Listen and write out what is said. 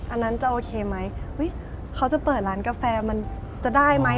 อันนั้นจะโอเคไหมเขาจะเปิดร้านกาแฟมันจะได้ไหม